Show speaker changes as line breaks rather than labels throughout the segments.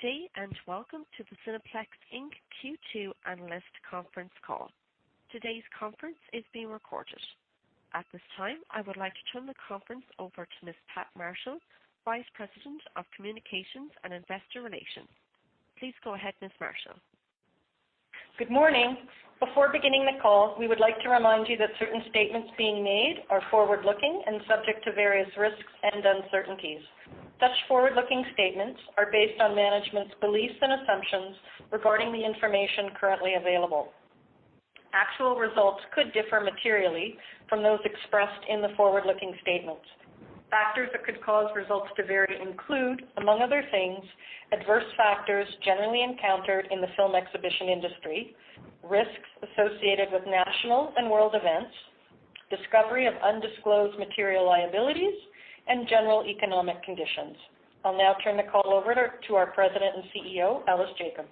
Good day, welcome to the Cineplex Inc. Q2 analyst conference call. Today's conference is being recorded. At this time, I would like to turn the conference over to Ms. Pat Marshall, Vice President of Communications and Investor Relations. Please go ahead, Ms. Marshall.
Good morning. Before beginning the call, we would like to remind you that certain statements being made are forward-looking and subject to various risks and uncertainties. Such forward-looking statements are based on management's beliefs and assumptions regarding the information currently available. Actual results could differ materially from those expressed in the forward-looking statements. Factors that could cause results to vary include, among other things, adverse factors generally encountered in the film exhibition industry, risks associated with national and world events, discovery of undisclosed material liabilities, and general economic conditions. I'll now turn the call over to our President and CEO, Ellis Jacob.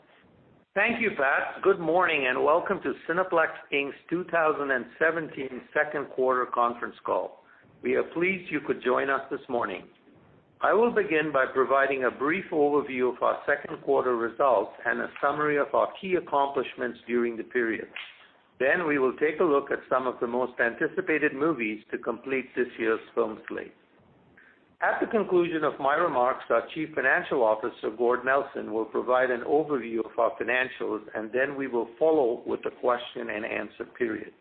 Thank you, Pat. Good morning, welcome to Cineplex Inc.'s 2017 second quarter conference call. We are pleased you could join us this morning. I will begin by providing a brief overview of our second quarter results and a summary of our key accomplishments during the period. We will take a look at some of the most anticipated movies to complete this year's film slate. At the conclusion of my remarks, our Chief Financial Officer, Gord Nelson, will provide an overview of our financials, we will follow with the question-and-answer period.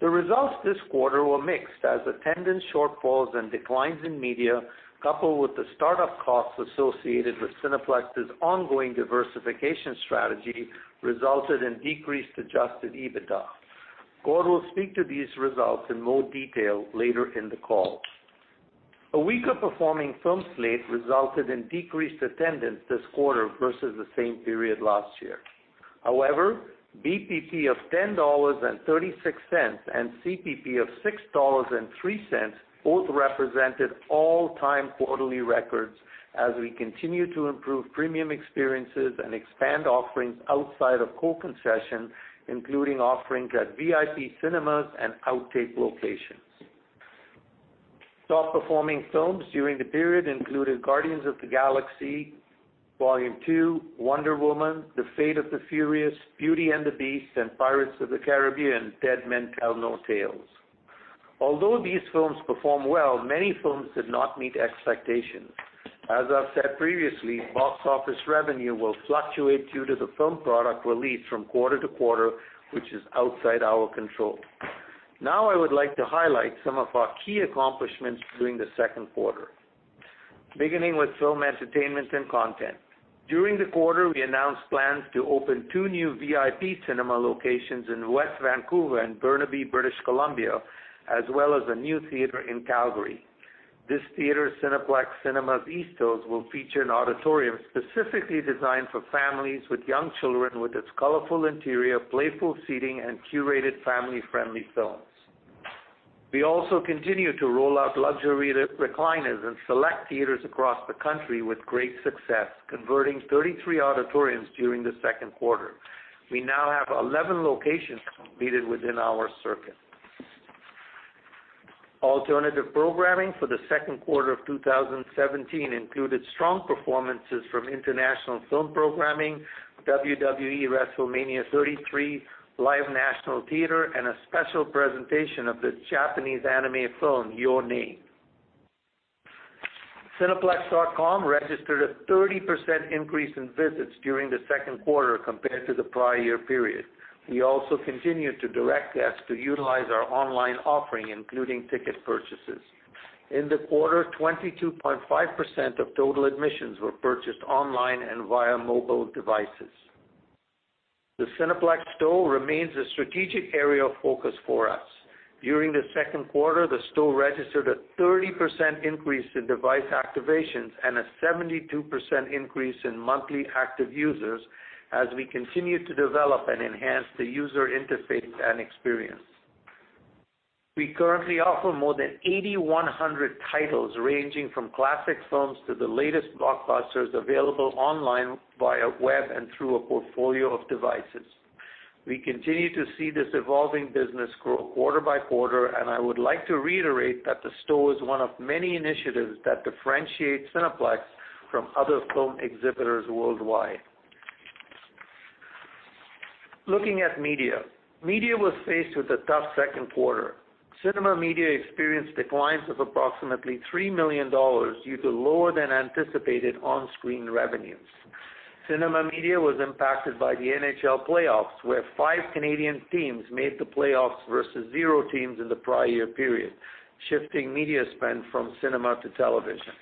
The results this quarter were mixed as attendance shortfalls and declines in media, coupled with the start-up costs associated with Cineplex's ongoing diversification strategy, resulted in decreased adjusted EBITDA. Gord will speak to these results in more detail later in the call. A weaker-performing film slate resulted in decreased attendance this quarter versus the same period last year. However, BPP of 10.36 dollars and CPP of 6.03 dollars both represented all-time quarterly records as we continue to improve premium experiences and expand offerings outside of core concession, including offerings at VIP cinemas and Outtakes locations. Top-performing films during the period included "Guardians of the Galaxy Vol. 2", "Wonder Woman", "The Fate of the Furious", "Beauty and the Beast", and "Pirates of the Caribbean: Dead Men Tell No Tales." Although these films performed well, many films did not meet expectations. As I've said previously, box office revenue will fluctuate due to the film product release from quarter to quarter, which is outside our control. I would like to highlight some of our key accomplishments during the second quarter. Beginning with film, entertainment, and content. During the quarter, we announced plans to open two new VIP cinema locations in West Vancouver and Burnaby, British Columbia, as well as a new theater in Calgary. This theater, Cineplex Cinemas East Hills, will feature an auditorium specifically designed for families with young children with its colorful interior, playful seating, and curated family-friendly films. We also continue to roll out luxury recliners in select theaters across the country with great success, converting 33 auditoriums during the second quarter. We now have 11 locations completed within our circuit. Alternative programming for the second quarter of 2017 included strong performances from international film programming, WWE WrestleMania 33, live national theater, and a special presentation of the Japanese anime film, "Your Name." cineplex.com registered a 30% increase in visits during the second quarter compared to the prior year period. We also continued to direct guests to utilize our online offering, including ticket purchases. In the quarter, 22.5% of total admissions were purchased online and via mobile devices. The Cineplex Store remains a strategic area of focus for us. During the second quarter, the store registered a 30% increase in device activations and a 72% increase in monthly active users as we continue to develop and enhance the user interface and experience. We currently offer more than 8,100 titles ranging from classic films to the latest blockbusters available online, via web, and through a portfolio of devices. We continue to see this evolving business grow quarter by quarter, and I would like to reiterate that the store is one of many initiatives that differentiate Cineplex from other film exhibitors worldwide. Looking at media. Media was faced with a tough second quarter. Cinema media experienced declines of approximately 3 million dollars due to lower-than-anticipated on-screen revenues. Cinema media was impacted by the NHL playoffs, where five Canadian teams made the playoffs versus zero teams in the prior year period, shifting media spend from cinema to television.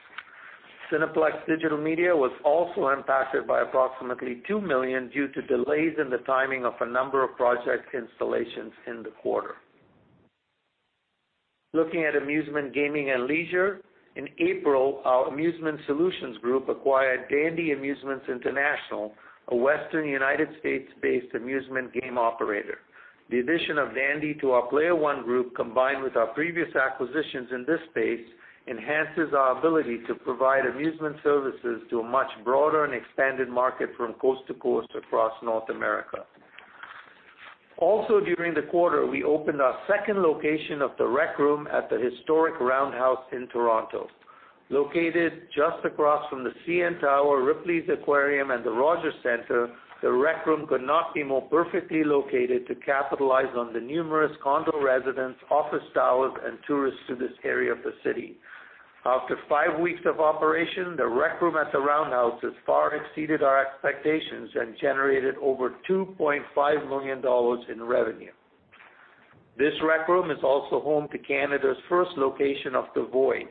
Cineplex Digital Media was also impacted by approximately 2 million due to delays in the timing of a number of project installations in the quarter. Looking at amusement, gaming, and leisure. In April, our Amusement Solutions group acquired Dandy Amusements International, a Western U.S.-based amusement game operator. The addition of Dandy to our Player One group, combined with our previous acquisitions in this space, enhances our ability to provide amusement services to a much broader and expanded market from coast to coast across North America. Also during the quarter, we opened our second location of The Rec Room at the historic Roundhouse in Toronto. Located just across from the CN Tower, Ripley's Aquarium, and the Rogers Centre, The Rec Room could not be more perfectly located to capitalize on the numerous condo residents, office towers, and tourists to this area of the city. After five weeks of operation, The Rec Room at the Roundhouse has far exceeded our expectations and generated over 2.5 million dollars in revenue. This Rec Room is also home to Canada's first location of The VOID,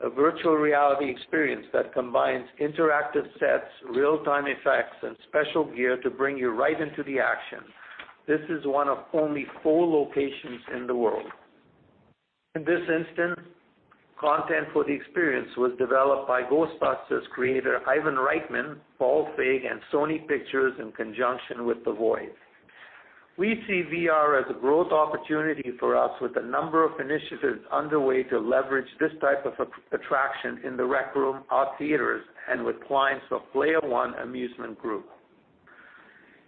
a virtual reality experience that combines interactive sets, real-time effects, and special gear to bring you right into the action. This is one of only four locations in the world. In this instance, content for the experience was developed by Ghostbusters creator Ivan Reitman, Paul Feig, and Sony Pictures in conjunction with The VOID. We see VR as a growth opportunity for us, with a number of initiatives underway to leverage this type of attraction in The Rec Room, our theaters, and with clients of Player One Amusement Group.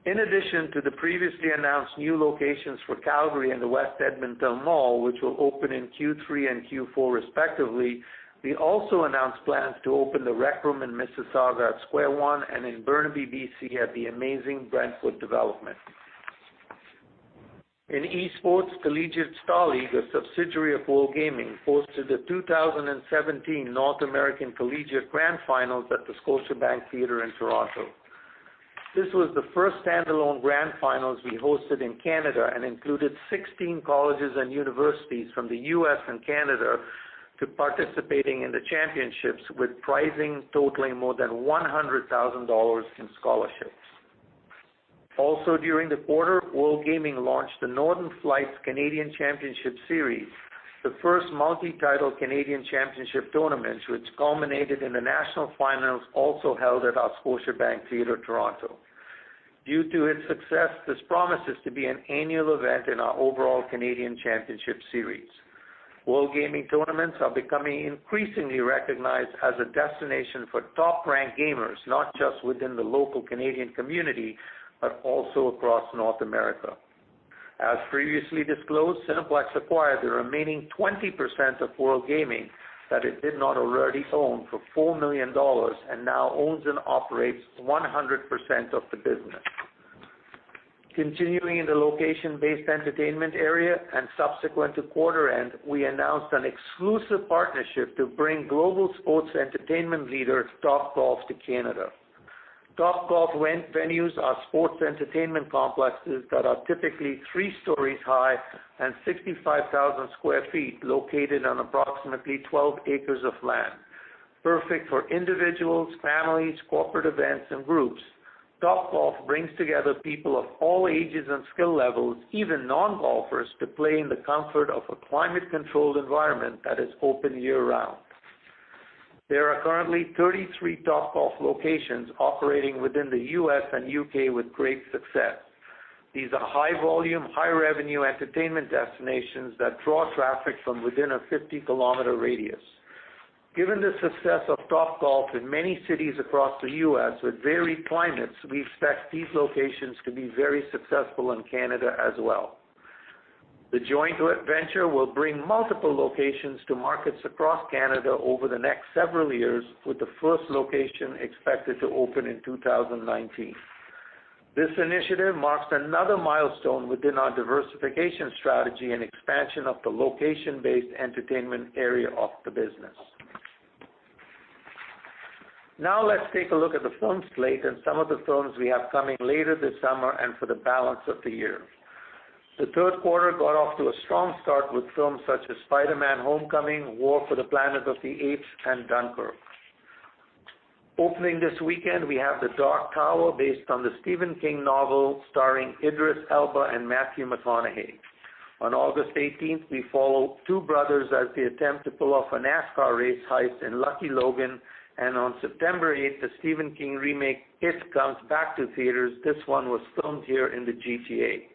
In addition to the previously announced new locations for Calgary and the West Edmonton Mall, which will open in Q3 and Q4 respectively, we also announced plans to open The Rec Room in Mississauga at Square One and in Burnaby, B.C. at the amazing Brentwood development. In esports, Collegiate StarLeague, a subsidiary of World Gaming, hosted the 2017 North American Collegiate Grand Finals at the Scotiabank Theatre in Toronto. This was the first standalone grand finals we hosted in Canada and included 16 colleges and universities from the U.S. and Canada participating in the championships, with prizing totaling more than 100,000 dollars in scholarships. During the quarter, World Gaming launched the Northern Arena Canadian Championship Series, the first multi-title Canadian championship tournaments, which culminated in the national finals also held at our Scotiabank Theatre Toronto. Due to its success, this promises to be an annual event in our overall Canadian championship series. World Gaming tournaments are becoming increasingly recognized as a destination for top-ranked gamers, not just within the local Canadian community, but also across North America. As previously disclosed, Cineplex acquired the remaining 20% of World Gaming that it did not already own for 4 million dollars and now owns and operates 100% of the business. Continuing in the location-based entertainment area, subsequent to quarter end, we announced an exclusive partnership to bring global sports entertainment leader Topgolf to Canada. Topgolf venues are sports entertainment complexes that are typically three stories high and 65,000 sq ft, located on approximately 12 acres of land. Perfect for individuals, families, corporate events, and groups, Topgolf brings together people of all ages and skill levels, even non-golfers, to play in the comfort of a climate-controlled environment that is open year-round. There are currently 33 Topgolf locations operating within the U.S. and U.K. with great success. These are high-volume, high-revenue entertainment destinations that draw traffic from within a 50-km radius. Given the success of Topgolf in many cities across the U.S. with varied climates, we expect these locations to be very successful in Canada as well. The joint venture will bring multiple locations to markets across Canada over the next several years, with the first location expected to open in 2019. This initiative marks another milestone within our diversification strategy and expansion of the location-based entertainment area of the business. Let's take a look at the film slate and some of the films we have coming later this summer and for the balance of the year. The third quarter got off to a strong start with films such as "Spider-Man: Homecoming," "War for the Planet of the Apes," and "Dunkirk." Opening this weekend, we have "The Dark Tower" based on the Stephen King novel, starring Idris Elba and Matthew McConaughey. On August 18th, we follow two brothers as they attempt to pull off a NASCAR race heist in "Logan Lucky," and on September 8th, the Stephen King remake "It" comes back to theaters. This one was filmed here in the GTA.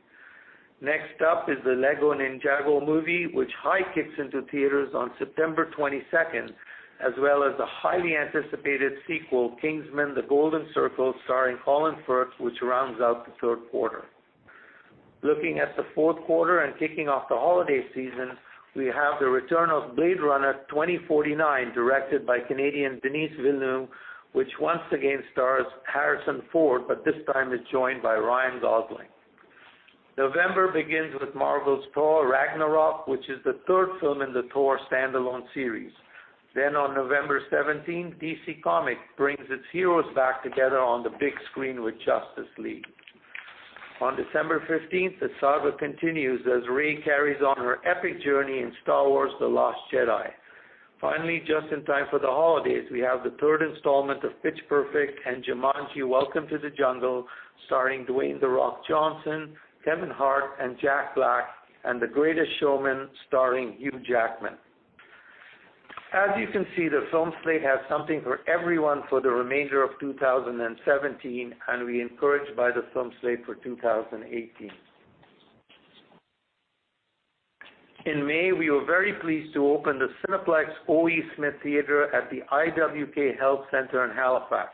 Next up is "The Lego Ninjago Movie," which high-kicks into theaters on September 22nd, as well as the highly anticipated sequel, "Kingsman: The Golden Circle" starring Colin Firth, which rounds out the third quarter. Looking at the fourth quarter and kicking off the holiday season, we have the return of "Blade Runner 2049," directed by Canadian Denis Villeneuve, which once again stars Harrison Ford, but this time is joined by Ryan Gosling. November begins with Marvel's "Thor: Ragnarok," which is the third film in the Thor standalone series. On November 17th, DC Comics brings its heroes back together on the big screen with "Justice League." On December 15th, the saga continues as Rey carries on her epic journey in "Star Wars: The Last Jedi." Just in time for the holidays, we have the third installment of "Pitch Perfect" and "Jumanji: Welcome to the Jungle," starring Dwayne "The Rock" Johnson, Kevin Hart, and Jack Black, and "The Greatest Showman" starring Hugh Jackman. As you can see, the film slate has something for everyone for the remainder of 2017, and we're encouraged by the film slate for 2018. In May, we were very pleased to open the Cineplex O.E. Smith Theatre at the IWK Health Centre in Halifax.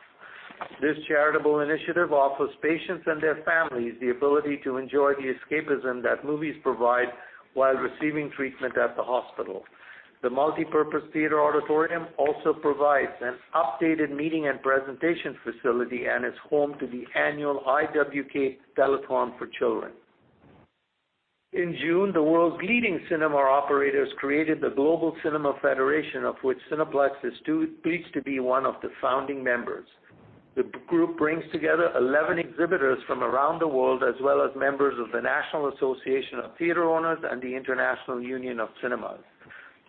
This charitable initiative offers patients and their families the ability to enjoy the escapism that movies provide while receiving treatment at the hospital. The multipurpose theater auditorium also provides an updated meeting and presentation facility and is home to the annual IWK Telethon for Children. In June, the world's leading cinema operators created the Global Cinema Federation, of which Cineplex is pleased to be one of the founding members. The group brings together 11 exhibitors from around the world, as well as members of the National Association of Theatre Owners and the International Union of Cinemas.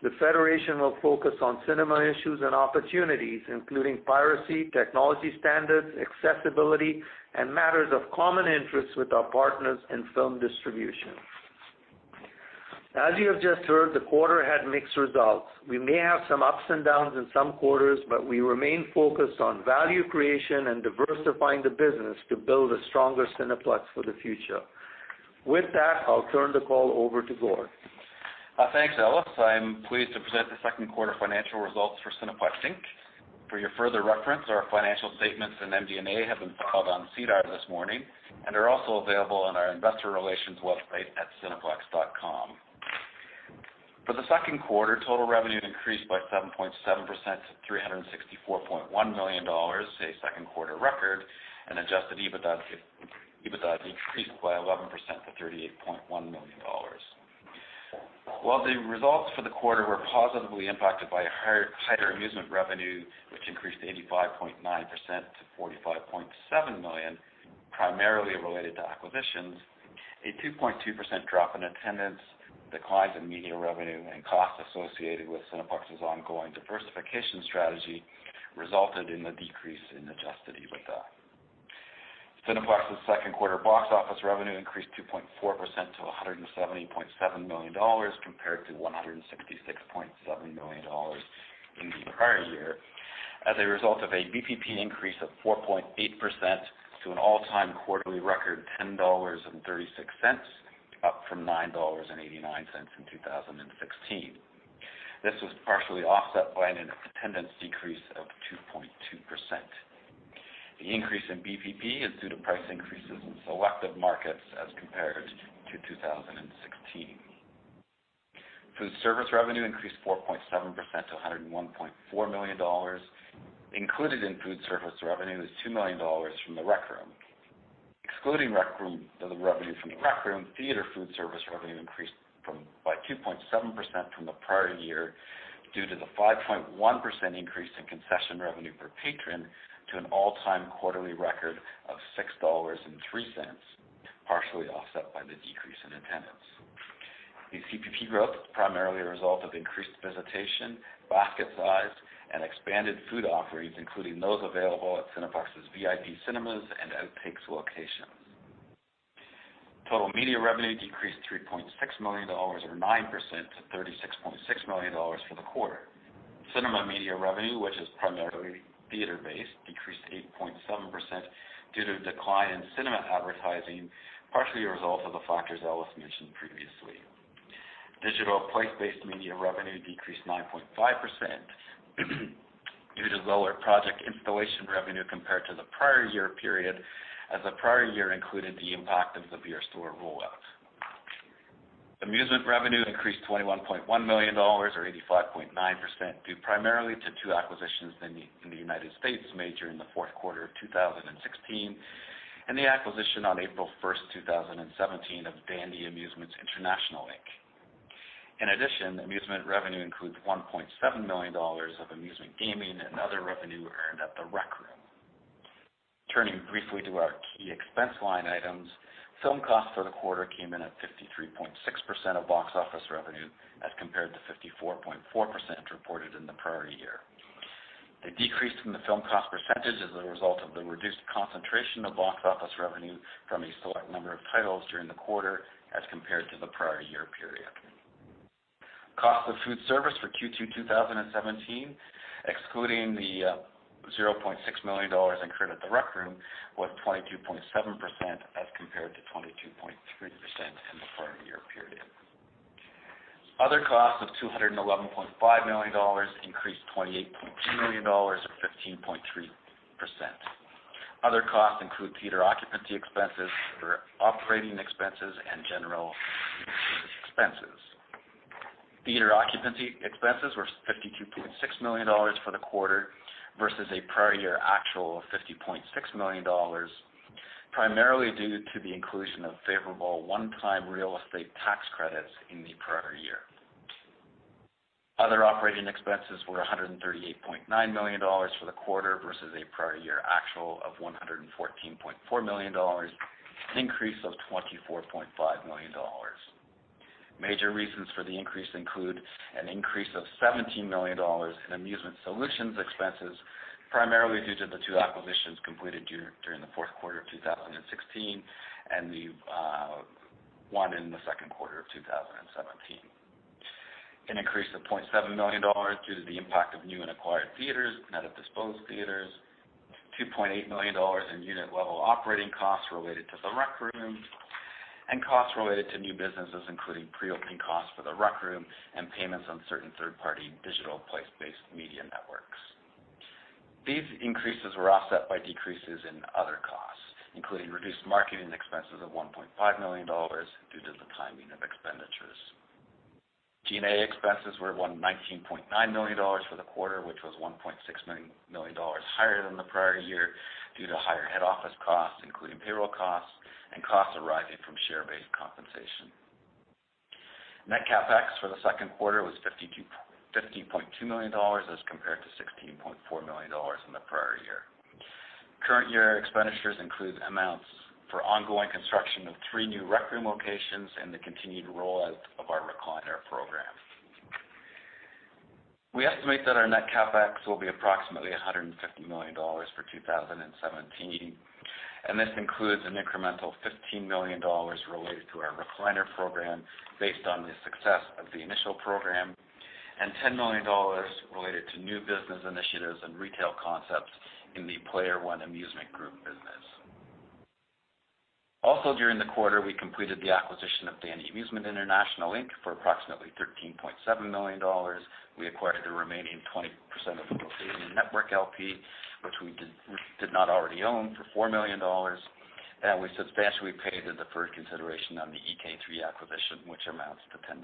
The federation will focus on cinema issues and opportunities, including piracy, technology standards, accessibility, and matters of common interest with our partners in film distribution. As you have just heard, the quarter had mixed results. We may have some ups and downs in some quarters, but we remain focused on value creation and diversifying the business to build a stronger Cineplex for the future. With that, I'll turn the call over to Gord.
Thanks, Ellis. I'm pleased to present the second quarter financial results for Cineplex Inc. For your further reference, our financial statements and MD&A have been filed on SEDAR this morning and are also available on our investor relations website at cineplex.com. For the second quarter, total revenue increased by 7.7% to 364.1 million dollars, a second-quarter record, and adjusted EBITDA increased by 11% to 38.1 million dollars. While the results for the quarter were positively impacted by higher amusement revenue, which increased to 85.9% to 45.7 million, primarily related to acquisitions, a 2.2% drop in attendance, declines in media revenue, and costs associated with Cineplex's ongoing diversification strategy resulted in the decrease in adjusted EBITDA. Cineplex's second quarter box office revenue increased 2.4% to 170.7 million dollars, compared to 166.7 million dollars in the prior year, as a result of a BPP increase of 4.8% to an all-time quarterly record 10.36 dollars, up from 9.89 dollars in 2016. This was partially offset by an attendance decrease of 2.2%. The increase in BPP is due to price increases in selective markets as compared to 2016. Food service revenue increased 4.7% to 101.4 million dollars. Included in food service revenue is 2 million dollars from The Rec Room. Excluding the revenue from The Rec Room, theater food service revenue increased by 2.7% from the prior year due to the 5.1% increase in concession revenue per patron to an all-time quarterly record of 6.03 dollars, partially offset by the decrease in attendance. The FPP growth is primarily a result of increased visitation, basket size, and expanded food offerings, including those available at Cineplex's VIP cinemas and Outtakes locations. Total media revenue decreased 3.6 million dollars, or 9%, to 36.6 million dollars for the quarter. Cinema media revenue, which is primarily theater-based, decreased 8.7% due to a decline in cinema advertising, partially a result of the factors Ellis mentioned previously. Digital place-based media revenue decreased 9.5% due to lower project installation revenue compared to the prior year period, as the prior year included the impact of The Beer Store rollout. Amusement revenue increased 21.1 million dollars, or 85.9%, due primarily to two acquisitions in the U.S. made during the fourth quarter of 2016, and the acquisition on April 1st, 2017, of Dandy Amusements International Inc. In addition, amusement revenue includes 1.7 million dollars of amusement gaming and other revenue earned at The Rec Room. Turning briefly to our key expense line items, film costs for the quarter came in at 53.6% of box office revenue as compared to 54.4% reported in the prior year. The decrease from the film cost percentage is a result of the reduced concentration of box office revenue from a select number of titles during the quarter as compared to the prior year period. Cost of food service for Q2 2017, excluding the 0.6 million dollars incurred at The Rec Room, was 22.7% as compared to 22.3% in the prior year period. Other costs of 211.5 million dollars increased 28.2 million dollars, or 15.3%. Other costs include theater occupancy expenses or operating expenses and general expenses. Theater occupancy expenses were 52.6 million dollars for the quarter versus a prior year actual of 50.6 million dollars, primarily due to the inclusion of favorable one-time real estate tax credits in the prior year. Other operating expenses were 138.9 million dollars for the quarter versus a prior year actual of 114.4 million dollars, an increase of 24.5 million dollars. Major reasons for the increase include an increase of 17 million dollars in Amusement Solutions expenses, primarily due to the two acquisitions completed during the fourth quarter of 2016 and the one in the second quarter of 2017. An increase of 0.7 million dollars due to the impact of new and acquired theaters, net of disposed theaters, 2.8 million dollars in unit-level operating costs related to The Rec Room, and costs related to new businesses, including pre-opening costs for The Rec Room and payments on certain third-party digital place-based media networks. These increases were offset by decreases in other costs, including reduced marketing expenses of 1.5 million dollars due to the timing of expenditures. G&A expenses were 119.9 million dollars for the quarter, which was 1.6 million dollars higher than the prior year due to higher head office costs, including payroll costs and costs arising from share-based compensation. Net CapEx for the second quarter was 50.2 million dollars as compared to 16.4 million dollars in the prior year. Current year expenditures include amounts for ongoing construction of three new The Rec Room locations and the continued roll-out of our recliner program. We estimate that our net CapEx will be approximately 150 million dollars for 2017, and this includes an incremental 15 million dollars related to our recliner program based on the success of the initial program and 10 million dollars related to new business initiatives and retail concepts in the Player One Amusement Group business. During the quarter, we completed the acquisition of Dandy Amusements International Inc. for approximately 13.7 million dollars. We acquired the remaining 20% of the Canadian Network LP, which we did not already own, for 4 million dollars. We substantially paid the deferred consideration on the EK3 acquisition, which amounts to 10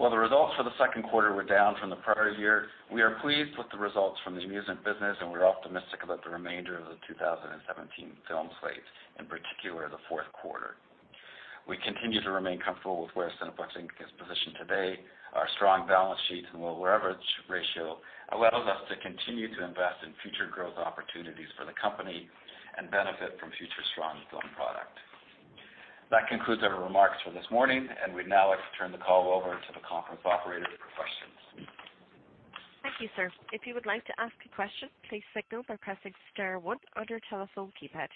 million dollars. While the results for the second quarter were down from the prior year, we are pleased with the results from the amusement business, and we're optimistic about the remainder of the 2017 film slate, in particular, the fourth quarter. We continue to remain comfortable with where Cineplex Inc. is positioned today. Our strong balance sheet and low leverage ratio allows us to continue to invest in future growth opportunities for the company and benefit from future strong film product. That concludes our remarks for this morning. We'd now like to turn the call over to the conference operator for questions.
Thank you, sir. If you would like to ask a question, please signal by pressing star one on your telephone keypad.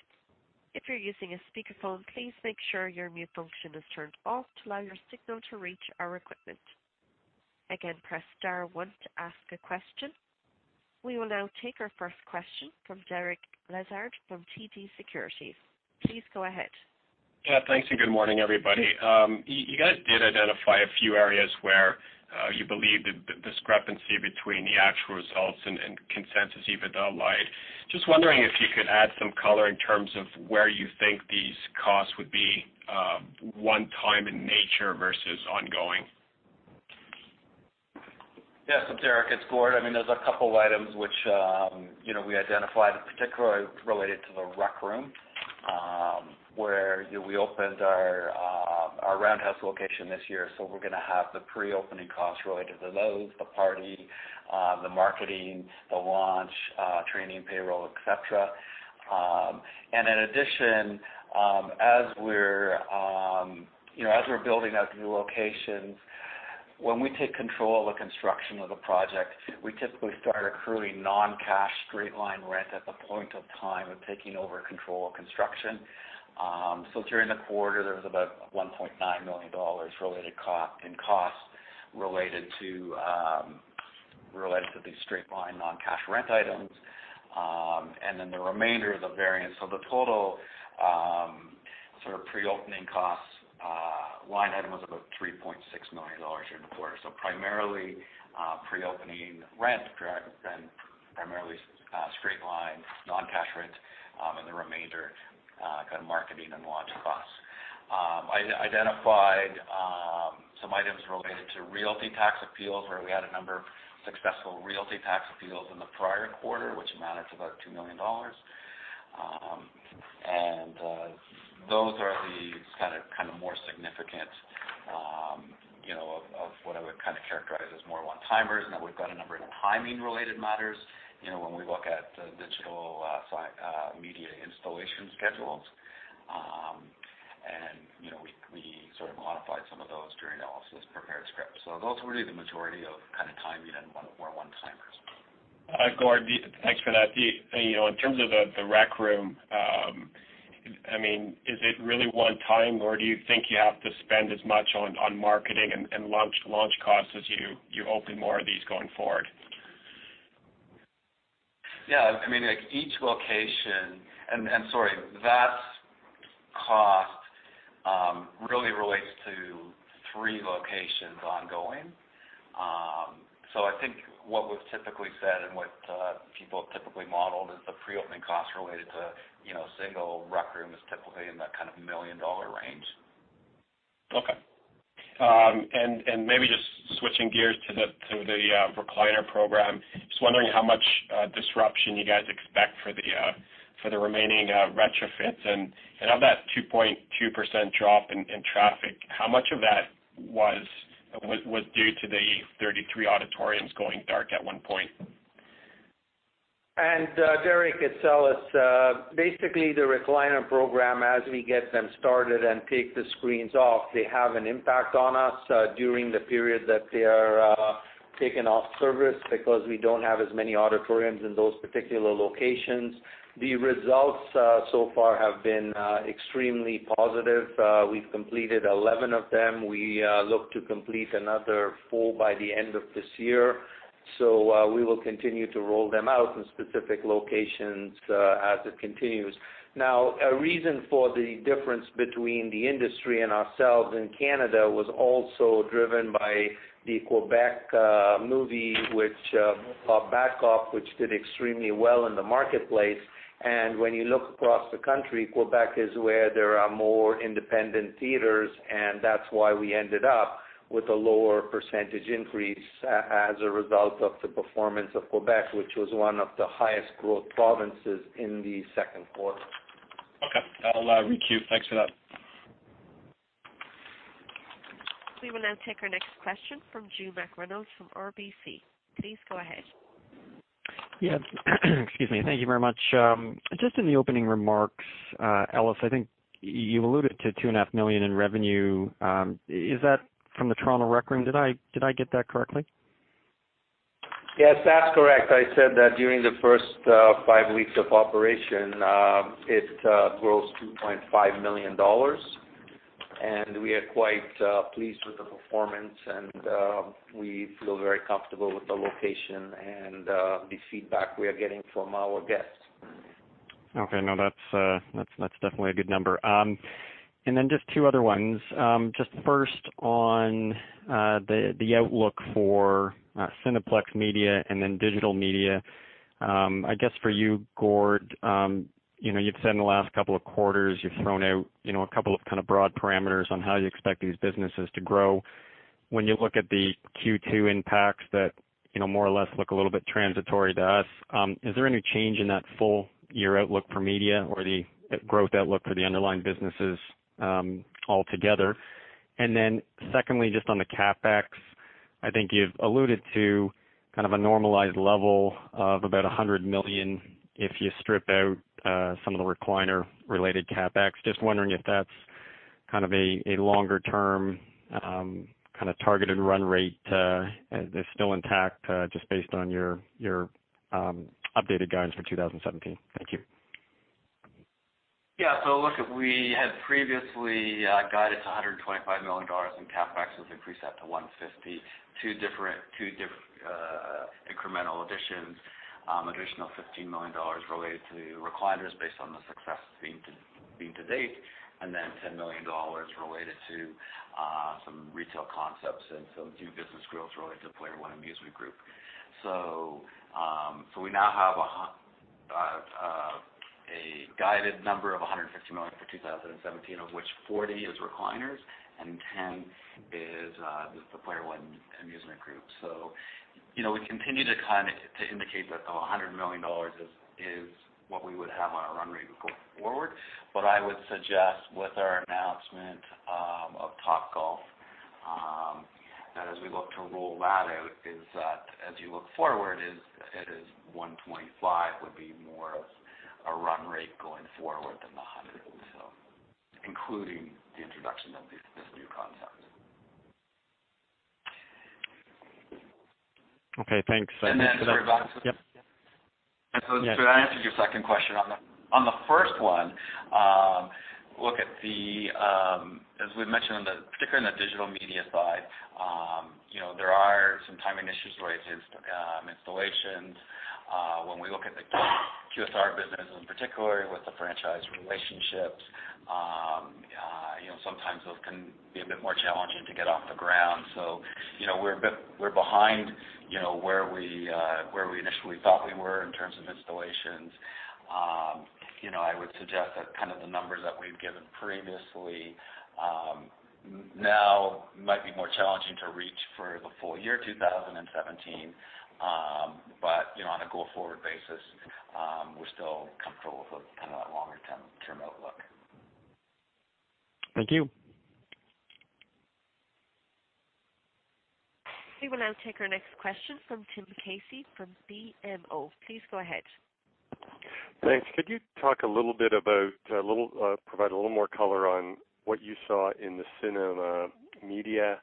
If you're using a speakerphone, please make sure your mute function is turned off to allow your signal to reach our equipment. Again, press star one to ask a question. We will now take our first question from Derek Lessard from TD Securities. Please go ahead.
Yeah, thanks. Good morning, everybody. You guys did identify a few areas where you believe the discrepancy between the actual results and consensus EBITDA lied. Just wondering if you could add some color in terms of where you think these costs would be one time in nature versus ongoing.
Yes. Derek, it's Gord. There's a couple items which we identified, particularly related to The Rec Room, where we opened our Roundhouse location this year. We're going to have the pre-opening costs related to those, the party, the marketing, the launch, training, payroll, et cetera. In addition, as we're building out new locations, when we take control of the construction of the project, we typically start accruing non-cash straight-line rent at the point of time of taking over control of construction. During the quarter, there was about 1.9 million dollars in costs related to these straight-line non-cash rent items. The remainder of the variance. The total pre-opening costs line item was about 3.6 million dollars during the quarter. Primarily pre-opening rent, and primarily straight-line non-cash rent, and the remainder marketing and launch costs. I identified some items related to realty tax appeals where we had a number of successful realty tax appeals in the prior quarter, which amounts to about CAD 2 million. Those are the more significant of what I would characterize as more one-timers. We've got a number of timing-related matters. When we look at the digital media installation schedules, we modified some of those during prepared script. Those were the majority of timing and more one-timers.
Gord, thanks for that. In terms of The Rec Room, is it really one-time, or do you think you have to spend as much on marketing and launch costs as you open more of these going forward?
Yeah. Each location-- sorry, that cost really relates to three locations ongoing. I think what we've typically said and what people have typically modeled is the pre-opening costs related to single Rec Room is typically in that kind of million-dollar range.
Okay. Maybe just switching gears to the recliner program, just wondering how much disruption you guys expect for the remaining retrofits. Of that 2.2% drop in traffic, how much of that was due to the 33 auditoriums going dark at one point?
Derek, it's Ellis. Basically, the recliner program, as we get them started and take the screens off, they have an impact on us during the period that they are taken off service because we don't have as many auditoriums in those particular locations. The results so far have been extremely positive. We've completed 11 of them. We look to complete another four by the end of this year. We will continue to roll them out in specific locations as it continues. Now, a reason for the difference between the industry and ourselves in Canada was also driven by the Quebec movie, called "Bon Cop, Bad Cop 2," which did extremely well in the marketplace. When you look across the country, Quebec is where there are more independent theaters, and that's why we ended up with a lower percentage increase as a result of the performance of Quebec, which was one of the highest growth provinces in the second quarter.
Okay. That will [allow me cue]. Thanks for that.
We will now take our next question from Drew McReynolds from RBC. Please go ahead.
Yes. Excuse me. Thank you very much. In the opening remarks, Ellis, I think you alluded to 2.5 million in revenue. Is that from the Toronto Rec Room? Did I get that correctly?
Yes, that's correct. I said that during the first five weeks of operation, it grossed 2.5 million dollars, and we are quite pleased with the performance, and we feel very comfortable with the location and the feedback we are getting from our guests.
Okay. No, that's definitely a good number. Just two other ones. Just first on the outlook for Cineplex Media and then digital media. I guess for you, Gord, you've said in the last couple of quarters, you've thrown out a couple of kind of broad parameters on how you expect these businesses to grow. When you look at the Q2 impacts that more or less look a little bit transitory to us, is there any change in that full year outlook for media or the growth outlook for the underlying businesses altogether? Secondly, just on the CapEx, I think you've alluded to kind of a normalized level of about 100 million if you strip out some of the recliner-related CapEx. Just wondering if that's kind of a longer-term targeted run rate that's still intact just based on your updated guidance for 2017. Thank you.
Yeah. Look, we had previously guided 125 million dollars in CapEx was increased that to 150 million. Two different incremental additions. Additional 15 million dollars related to recliners based on the success seen to date, and then 10 million dollars related to some retail concepts and some few business growth related to Player One Amusement Group. We now have a guided number of 150 million for 2017, of which 40 million is recliners and 10 million is the Player One Amusement Group. We continue to kind of indicate that 100 million dollars is what we would have on a run rate going forward. I would suggest with our announcement of Topgolf, and as we look to roll that out, is that as you look forward is it is 125 million would be more of a run rate going forward than the 100 million including the introduction of this new concept.
Okay, thanks.
And then, sorry about-
Yep.
Did I answer your second question? On the first one, as we've mentioned, particular on the Cineplex Digital Media side, there are some timing issues related to installations. When we look at the QSR business, in particular with the franchise relationships, sometimes those can be a bit more challenging to get off the ground. We're behind where we initially thought we were in terms of installations. I would suggest that kind of the numbers that we've given previously now might be more challenging to reach for the full year 2017. On a go-forward basis, we're still comfortable with kind of that longer-term outlook.
Thank you.
We will now take our next question from Tim Casey from BMO. Please go ahead.
Thanks. Could you provide a little more color on what you saw in the cinema media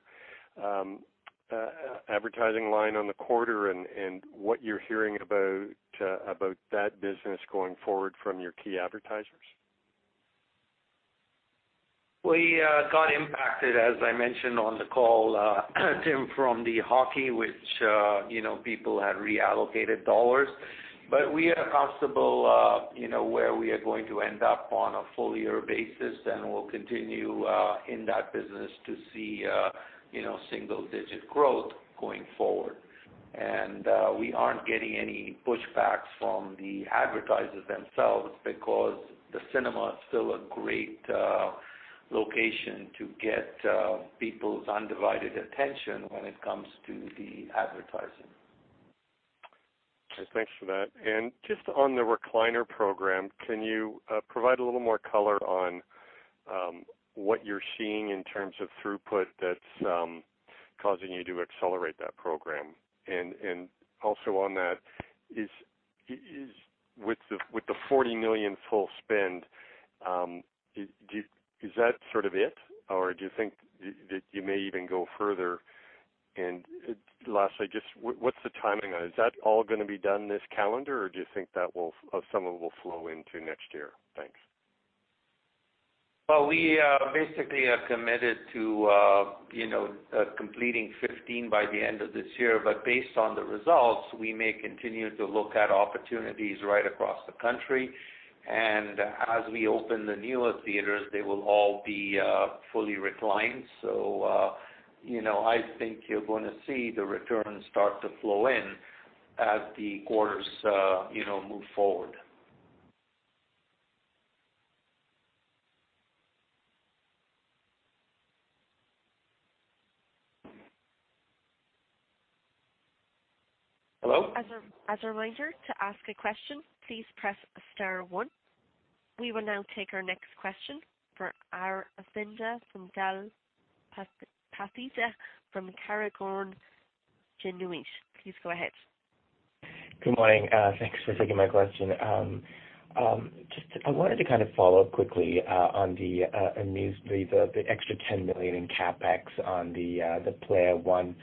advertising line on the quarter and what you're hearing about that business going forward from your key advertisers?
We got impacted, as I mentioned on the call, Tim, from the hockey, which people had reallocated dollars. We are comfortable where we are going to end up on a full year basis, and we'll continue in that business to see single-digit growth going forward. We aren't getting any pushbacks from the advertisers themselves because the cinema is still a great location to get people's undivided attention when it comes to the advertising.
Okay, thanks for that. Just on the recliner program, can you provide a little more color on what you're seeing in terms of throughput that's causing you to accelerate that program? Also on that, with the 40 million full spend, is that sort of it, or do you think that you may even go further? Lastly, just what's the timing on it? Is that all going to be done this calendar, or do you think that some of it will flow into next year? Thanks.
Well, we basically are committed to completing 15 by the end of this year. Based on the results, we may continue to look at opportunities right across the country. As we open the newer theaters, they will all be fully reclined. I think you're going to see the returns start to flow in as the quarters move forward. Hello?
As a reminder, to ask a question, please press star 1. We will now take our next question for Aravinda Galappatthige from Canaccord Genuity. Please go ahead.
Good morning. Thanks for taking my question. I wanted to kind of follow quickly on the extra 10 million in CapEx on the Player One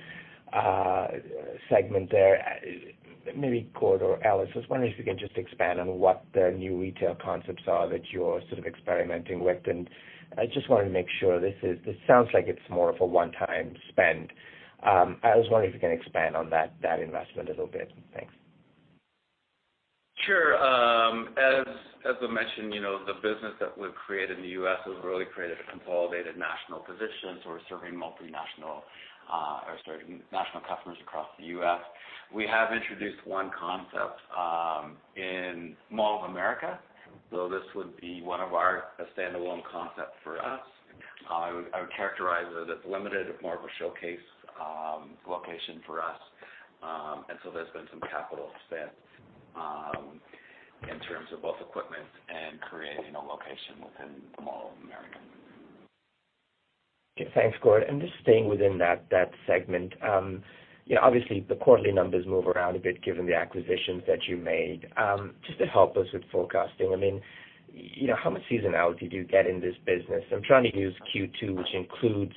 segment there. Maybe Gord or Ellis, I was wondering if you could just expand on what the new retail concepts are that you're sort of experimenting with. I just wanted to make sure. This sounds like it's more of a one-time spend. I was wondering if you can expand on that investment a little bit. Thanks.
Sure. As I mentioned, the business that we've created in the U.S. has really created a consolidated national position. We're serving multinational or serving national customers across the U.S. We have introduced one concept in Mall of America. This would be one of our standalone concept for us. I would characterize it as limited, more of a showcase location for us. There's been some capital spent in terms of both equipment and creating a location within the Mall of America.
Okay, thanks, Gord. Just staying within that segment. Obviously, the quarterly numbers move around a bit given the acquisitions that you made. Just to help us with forecasting. How much seasonality do you get in this business? I'm trying to use Q2, which includes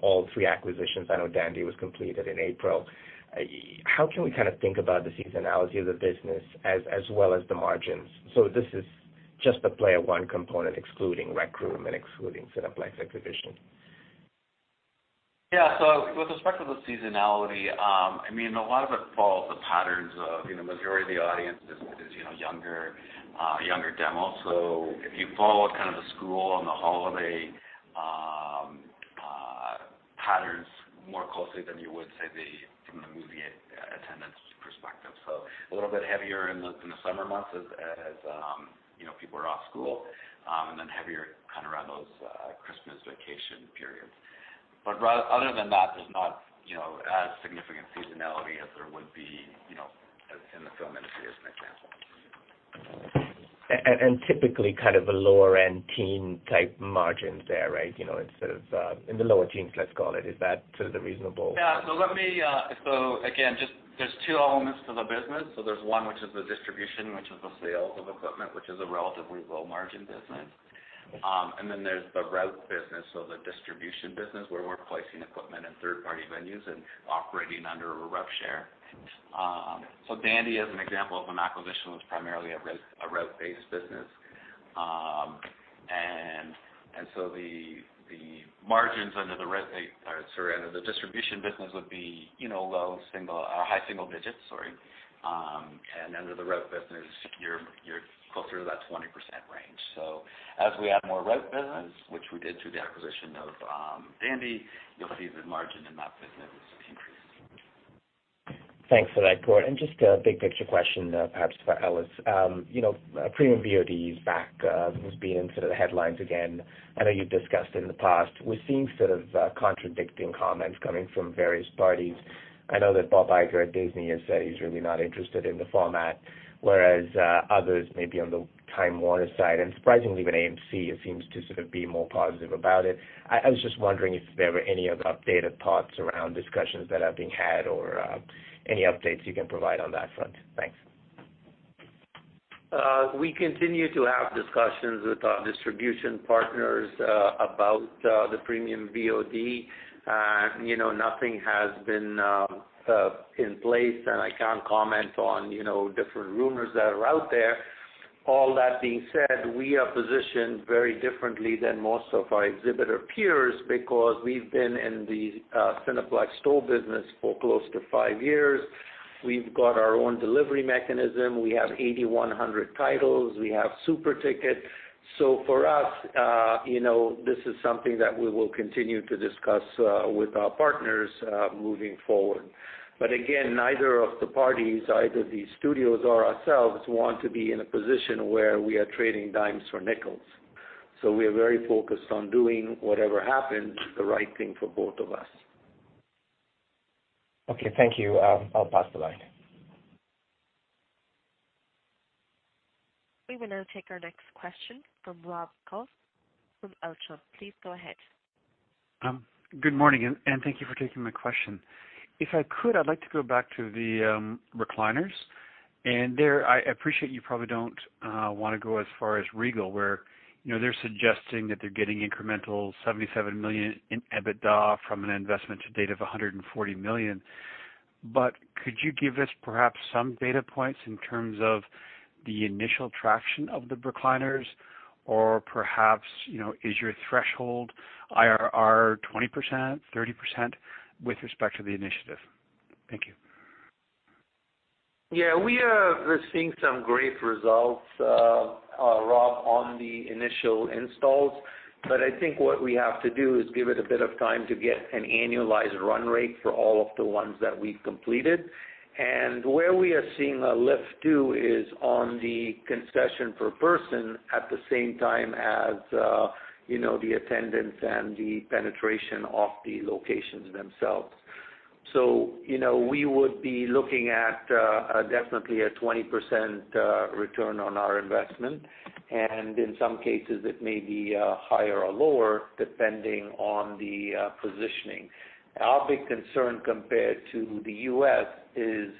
all three acquisitions. I know Dandy was completed in April. How can we kind of think about the seasonality of the business as well as the margins? This is just the Player One component, excluding Rec Room and excluding Cineplex acquisition.
Yeah. With respect to the seasonality, a lot of it follows the patterns of majority of the audience is younger demo. If you follow kind of the school and the holiday patterns more closely than you would, say, from the movie attendance perspective. A little bit heavier in the summer months as people are off school, and then heavier kind of around those Christmas vacation periods. Other than that, there's not as significant seasonality as there would be in the film industry, as an example.
Typically kind of a lower-end teen type margins there, right? In the lower teens, let's call it. Is that sort of reasonable?
Yeah. Again, there's two elements to the business. There's one which is the distribution, which is the sales of equipment, which is a relatively low-margin business. Then there's the route business. The distribution business where we're placing equipment in third-party venues and operating under a rev share. Dandy, as an example of an acquisition, was primarily a rev-based business. The margins under the distribution business would be low single or high single digits, sorry. Under the rev business, you're closer to that 20% range. As we add more rev business, which we did through the acquisition of Dandy, you'll see the margin in that business increase.
Thanks for that, Gord. Just a big picture question, perhaps for Ellis. Premium VOD is back, was being sort of the headlines again. I know you've discussed it in the past. We're seeing sort of contradicting comments coming from various parties. I know that Bob Iger at Disney has said he's really not interested in the format, whereas others may be on the Time Warner side, and surprisingly even AMC seems to sort of be more positive about it. I was just wondering if there were any updated thoughts around discussions that are being had or any updates you can provide on that front. Thanks.
We continue to have discussions with our distribution partners about the Premium VOD. Nothing has been put in place, and I can't comment on different rumors that are out there. All that being said, we are positioned very differently than most of our exhibitor peers because we've been in the Cineplex Store business for close to five years. We've got our own delivery mechanism. We have 8,100 titles. We have SuperTicket. For us this is something that we will continue to discuss with our partners moving forward. Again, neither of the parties, either the studios or ourselves, want to be in a position where we are trading dimes for nickels. We are very focused on doing whatever happens, the right thing for both of us.
Okay, thank you. I'll pass the line.
We will now take our next question from Rob Goff from Echelon. Please go ahead.
Good morning, and thank you for taking my question. If I could, I'd like to go back to the recliners. There, I appreciate you probably don't want to go as far as Regal, where they're suggesting that they're getting incremental 77 million in EBITDA from an investment to date of 140 million. Could you give us perhaps some data points in terms of the initial traction of the recliners? Perhaps, is your threshold IRR 20%-30% with respect to the initiative? Thank you.
Yeah, we are seeing some great results, Rob, on the initial installs. I think what we have to do is give it a bit of time to get an annualized run rate for all of the ones that we've completed. Where we are seeing a lift too is on the concession per person at the same time as the attendance and the penetration of the locations themselves. We would be looking at definitely a 20% return on our investment, and in some cases, it may be higher or lower depending on the positioning. Our big concern compared to the U.S. is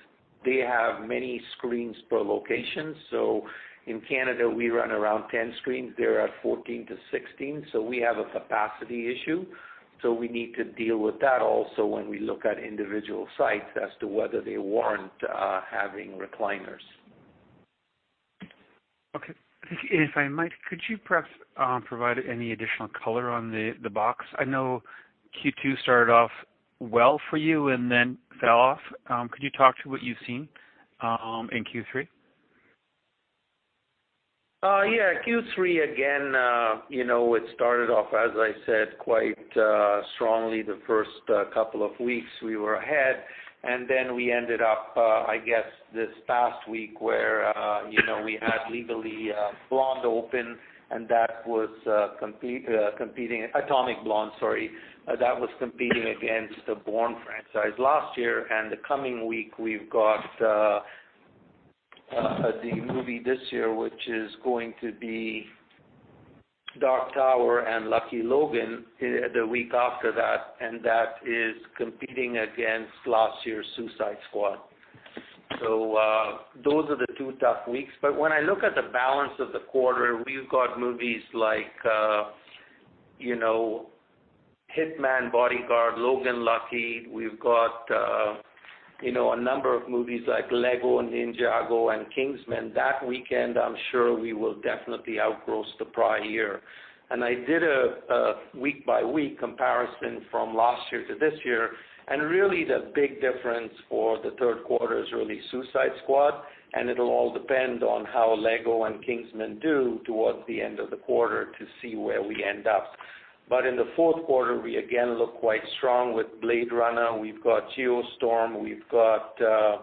they have many screens per location. In Canada, we run around 10 screens. They're at 14 to 16. We have a capacity issue. We need to deal with that also when we look at individual sites as to whether they warrant having recliners.
Okay. If I might, could you perhaps provide any additional color on the box? I know Q2 started off well for you and then fell off. Could you talk to what you've seen in Q3?
Yeah. Q3, it started off, as I said, quite strongly. The first couple of weeks we were ahead, then we ended up, I guess, this past week where we had Legally Blonde open and that was competing— Atomic Blonde, sorry. That was competing against the Bourne franchise last year. The coming week, we've got the movie this year, which is going to be Dark Tower and Logan Lucky the week after that, and that is competing against last year's Suicide Squad. Those are the two tough weeks. When I look at the balance of the quarter, we've got movies like Hitman's Bodyguard, Logan Lucky. We've got a number of movies like Lego Ninjago and Kingsman. That weekend, I'm sure we will definitely outgross the prior year. I did a week-by-week comparison from last year to this year, and really the big difference for the third quarter is really Suicide Squad, and it'll all depend on how Lego and Kingsman do towards the end of the quarter to see where we end up. In the fourth quarter, we again look quite strong with Blade Runner. We've got Geostorm. We've got the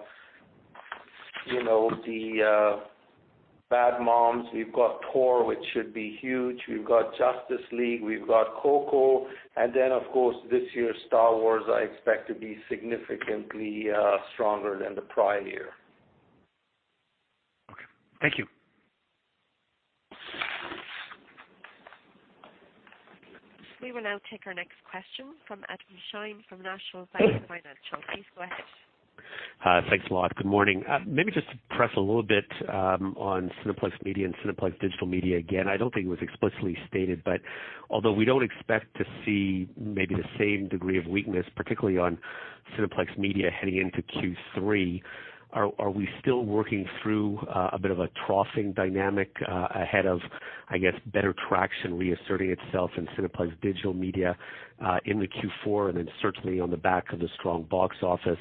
Bad Moms. We've got Thor, which should be huge. We've got Justice League, we've got Coco, then, of course, this year's Star Wars I expect to be significantly stronger than the prior year.
Okay. Thank you.
We will now take our next question from Adam Shine from National Bank Financial. Please go ahead.
Thanks a lot. Good morning. Just to press a little bit on Cineplex Media and Cineplex Digital Media again. I don't think it was explicitly stated, although we don't expect to see maybe the same degree of weakness, particularly on Cineplex Media heading into Q3, are we still working through a bit of a troughing dynamic ahead of, I guess, better traction reasserting itself in Cineplex Digital Media in Q4 and certainly on the back of the strong box office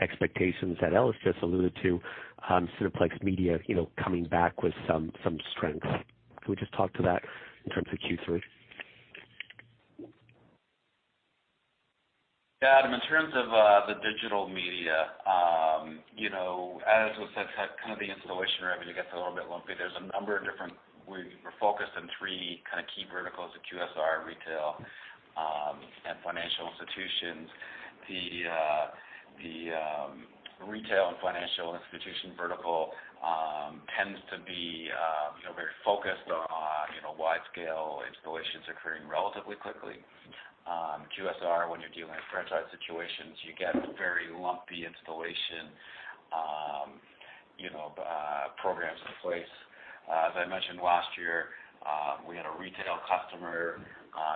expectations that Ellis just alluded to on Cineplex Media coming back with some strength? Can we just talk to that in terms of Q3?
Adam, in terms of the digital media, as was said, kind of the installation revenue gets a little bit lumpy. There's a number of different. We're focused on three kind of key verticals at QSR, retail, and financial institutions. The retail and financial institution vertical tends to be very focused on wide-scale installations occurring relatively quickly. QSR, when you're dealing with franchise situations, you get very lumpy installation programs in place. As I mentioned last year, we had a retail customer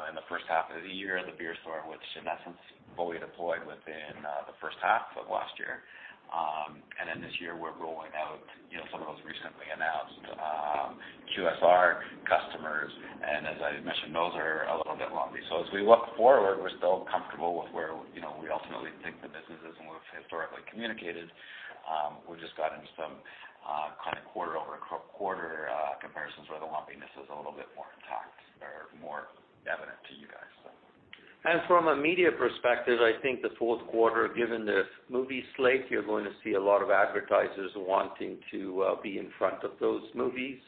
in the first half of the year at The Beer Store, which in essence fully deployed within the first half of last year. This year we're rolling out some of those recently announced QSR customers. As I mentioned, those are a little bit lumpy. As we look forward, we're still comfortable with where we ultimately think the business is and what we've historically communicated. We just got into some kind of quarter-over-quarter comparisons where the lumpiness is a little bit more intact or more evident to you guys.
From a media perspective, I think the fourth quarter, given the movie slate, you're going to see a lot of advertisers wanting to be in front of those movies.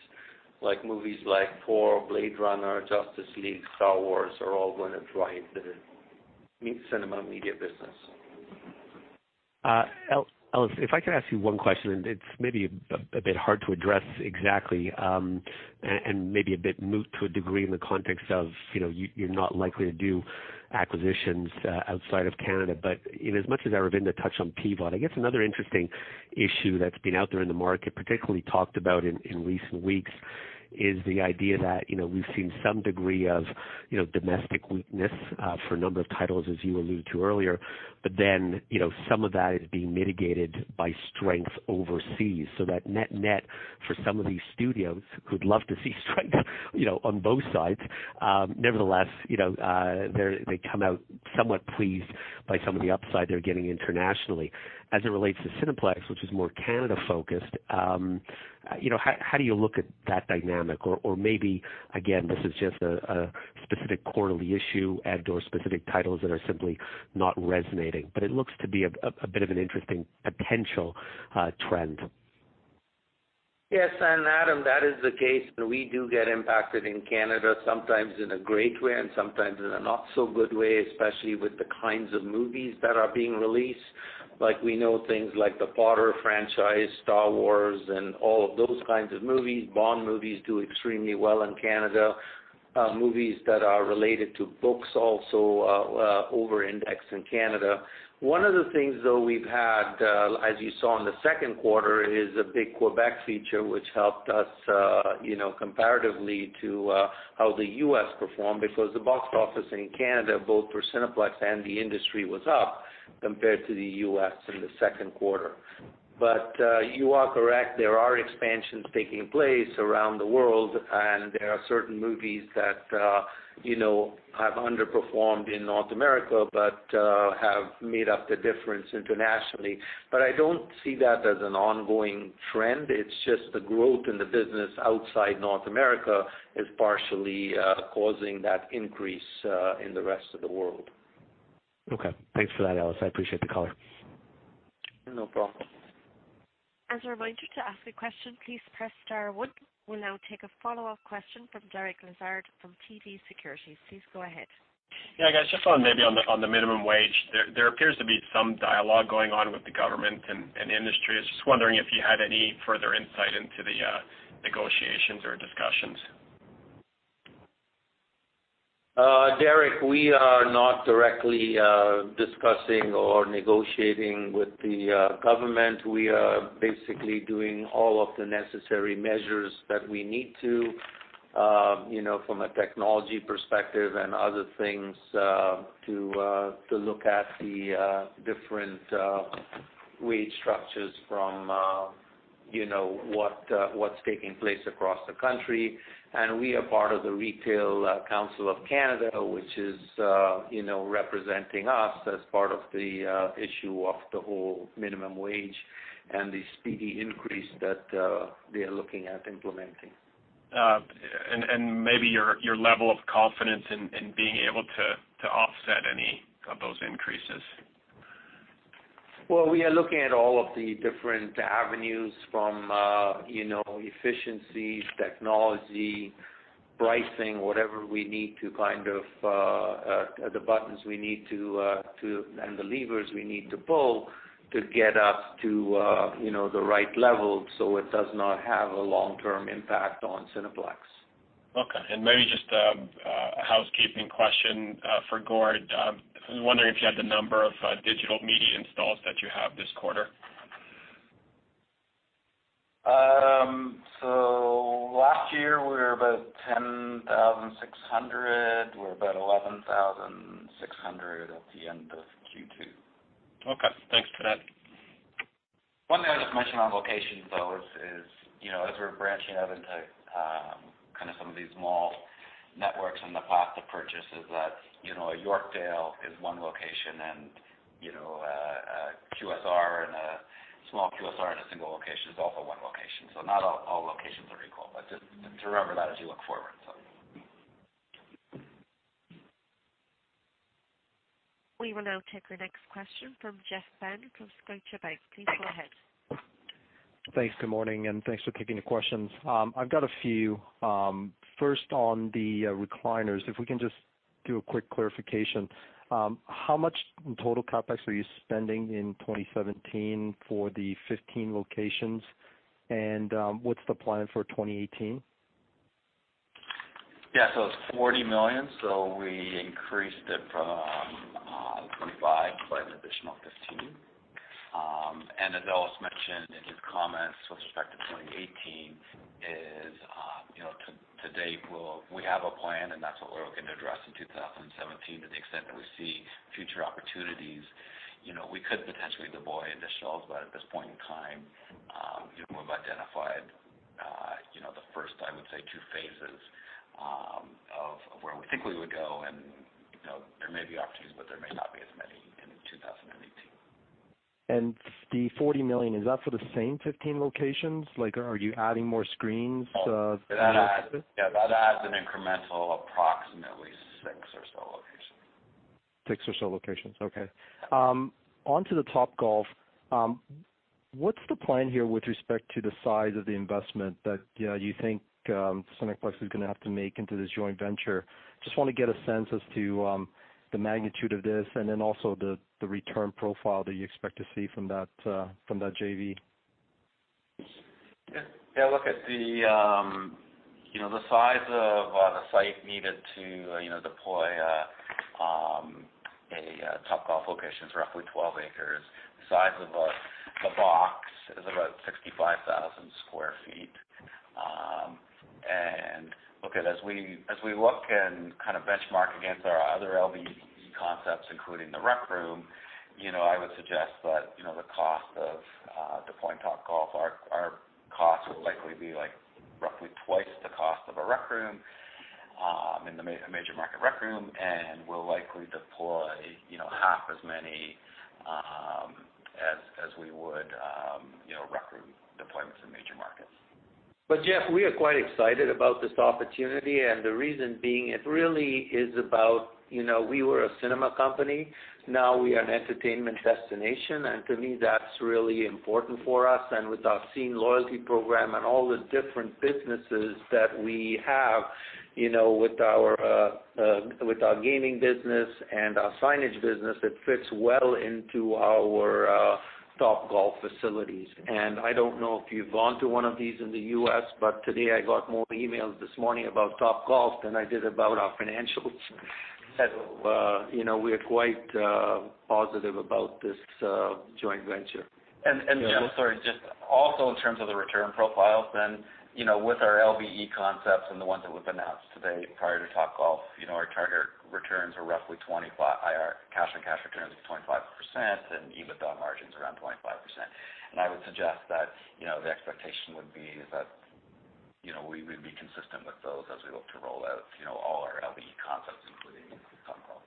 Movies like Thor, Blade Runner, Justice League, Star Wars are all going to drive the cinema media business.
Ellis, if I could ask you one question, it's maybe a bit hard to address exactly, and maybe a bit moot to a degree in the context of you're not likely to do acquisitions outside of Canada. In as much as Aravinda touched on PVOD, I guess another interesting issue that's been out there in the market, particularly talked about in recent weeks, is the idea that we've seen some degree of domestic weakness for a number of titles, as you alluded to earlier. Some of that is being mitigated by strength overseas. Net-net for some of these studios who'd love to see strength on both sides. Nevertheless, they come out somewhat pleased by some of the upside they're getting internationally. As it relates to Cineplex, which is more Canada-focused, how do you look at that dynamic? Maybe, again, this is just a specific quarterly issue and/or specific titles that are simply not resonating, it looks to be a bit of an interesting potential trend.
Yes. Adam, that is the case. We do get impacted in Canada, sometimes in a great way and sometimes in a not so good way, especially with the kinds of movies that are being released. Like we know things like the Potter franchise, Star Wars, and all of those kinds of movies. Bond movies do extremely well in Canada. Movies that are related to books also over-index in Canada. One of the things, though, we've had, as you saw in the second quarter, is a big Quebec feature which helped us comparatively to how the U.S. performed because the box office in Canada, both for Cineplex and the industry, was up compared to the U.S. in the second quarter. You are correct, there are expansions taking place around the world, and there are certain movies that have underperformed in North America but have made up the difference internationally. I don't see that as an ongoing trend. It's just the growth in the business outside North America is partially causing that increase in the rest of the world.
Okay. Thanks for that, Ellis. I appreciate the color.
No problem.
As a reminder, to ask a question, please press star one. We'll now take a follow-up question from Derek Lessard from TD Securities. Please go ahead.
Yeah, guys, just on maybe on the minimum wage. There appears to be some dialogue going on with the government and the industry. I was just wondering if you had any further insight into the negotiations or discussions.
Derek, we are not directly discussing or negotiating with the government. We are basically doing all of the necessary measures that we need to from a technology perspective and other things to look at the different wage structures from what's taking place across the country. We are part of the Retail Council of Canada, which is representing us as part of the issue of the whole minimum wage and the speedy increase that they're looking at implementing.
Maybe your level of confidence in being able to offset any of those increases.
Well, we are looking at all of the different avenues from efficiency, technology, pricing, whatever we need to the buttons we need to and the levers we need to pull to get us to the right level so it does not have a long-term impact on Cineplex.
Okay. Maybe just a housekeeping question for Gord. I was wondering if you had the number of digital media installs that you have this quarter.
Last year we were about 10,600. We're about 11,600 at the end of Q2.
Okay. Thanks for that.
One thing I'll just mention on locations, though, is as we're branching out into some of these mall networks in the past, the purchases that Yorkdale is one location and a small QSR in a single location is also one location. Not all locations are equal, but just to remember that as you look forward.
We will now take the next question from Jeff Fan from Scotiabank. Please go ahead.
Thanks. Good morning, and thanks for taking the questions. I've got a few. First, on the recliners, if we can just do a quick clarification. How much in total CapEx are you spending in 2017 for the 15 locations, and what's the plan for 2018?
It's 40 million. We increased it from 25 by an additional 15. As Ellis mentioned in his comments with respect to 2018 is to date, we have a plan, and that's what we're looking to address in 2017. To the extent that we see future opportunities, we could potentially deploy additional, but at this point in time, we've identified the first, I would say, 2 phases of where we think we would go, and there may be opportunities, but there may not be as many in 2018.
The 40 million, is that for the same 15 locations? Are you adding more screens to-
Yeah, that adds an incremental approximately six or so locations.
Six or so locations. Okay. On to the Topgolf. What's the plan here with respect to the size of the investment that you think Cineplex is going to have to make into this joint venture? Just want to get a sense as to the magnitude of this and then also the return profile that you expect to see from that JV.
Yeah. Look, the size of the site needed to deploy a Topgolf location is roughly 12 acres. The size of the box is about 65,000 sq ft. As we look and benchmark against our other LVE concepts, including The Rec Room, I would suggest that the cost of deploying Topgolf, our costs would likely be roughly twice the cost of a Rec Room, in the major market Rec Room, and we'll likely deploy half as many as we would Rec Room deployments in major markets.
Jeff, we are quite excited about this opportunity, and the reason being, it really is about we were a cinema company, now we are an entertainment destination. To me, that's really important for us. With our SCENE loyalty program and all the different businesses that we have with our gaming business and our signage business, it fits well into our Topgolf facilities. I don't know if you've gone to one of these in the U.S., but today I got more emails this morning about Topgolf than I did about our financials. We're quite positive about this joint venture.
Jeff, sorry, just also in terms of the return profiles, with our LVE concepts and the ones that we've announced today prior to Topgolf our cash on cash returns is 25% and EBITDA margins around 25%. I would suggest that the expectation would be is that we would be consistent with those as we look to roll out all our LVE concepts, including Topgolf.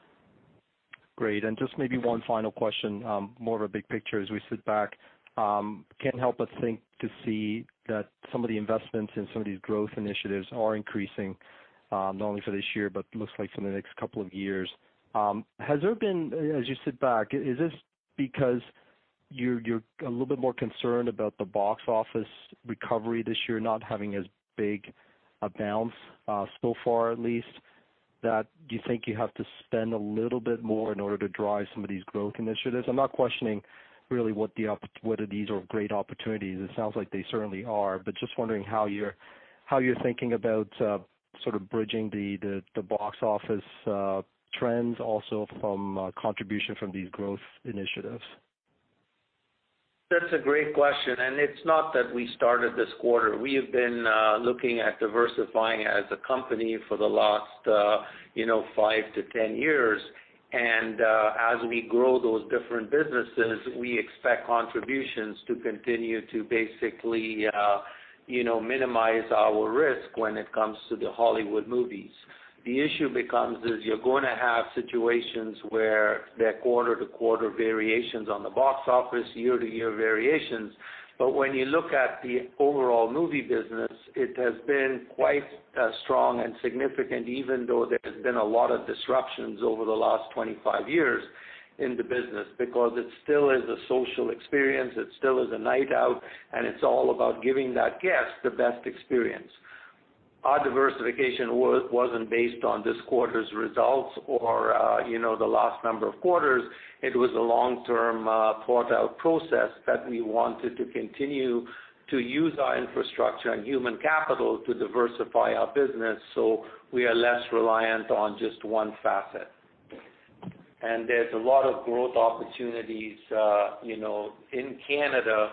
Just maybe one final question, more of a big picture as we sit back. Can't help but think to see that some of the investments in some of these growth initiatives are increasing, not only for this year, but looks like for the next couple of years. As you sit back, is this because you're a little bit more concerned about the box office recovery this year not having as big a bounce so far at least, that you think you have to spend a little bit more in order to drive some of these growth initiatives? I'm not questioning really whether these are great opportunities. It sounds like they certainly are, but just wondering how you're thinking about bridging the box office trends also from contribution from these growth initiatives.
That's a great question. It's not that we started this quarter. We have been looking at diversifying as a company for the last five to 10 years. As we grow those different businesses, we expect contributions to continue to basically minimize our risk when it comes to the Hollywood movies. The issue becomes is you're going to have situations where there are quarter-to-quarter variations on the box office, year-to-year variations. When you look at the overall movie business, it has been quite strong and significant, even though there's been a lot of disruptions over the last 25 years in the business because it still is a social experience, it still is a night out, and it's all about giving that guest the best experience. Our diversification wasn't based on this quarter's results or the last number of quarters. It was a long-term thought-out process that we wanted to continue to use our infrastructure and human capital to diversify our business so we are less reliant on just one facet. There's a lot of growth opportunities in Canada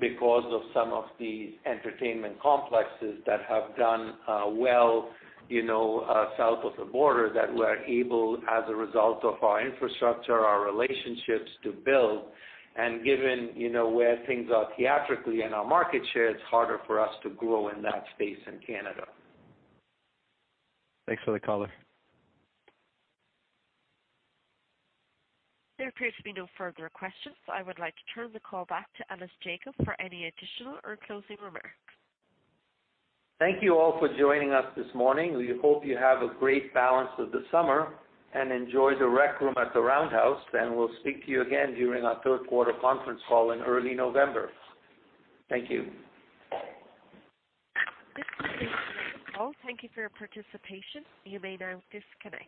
because of some of these entertainment complexes that have done well south of the border that we're able, as a result of our infrastructure, our relationships to build. Given where things are theatrically in our market share, it's harder for us to grow in that space in Canada.
Thanks for the color.
There appears to be no further questions. I would like to turn the call back to Ellis Jacob for any additional or closing remarks.
Thank you all for joining us this morning. We hope you have a great balance of the summer and enjoy the Rec Room at the Roundhouse, and we'll speak to you again during our third quarter conference call in early November. Thank you.
This concludes today's call. Thank you for your participation. You may now disconnect.